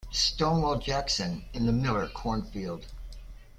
"Stonewall" Jackson in the Miller cornfield.